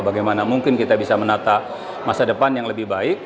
bagaimana mungkin kita bisa menata masa depan yang lebih baik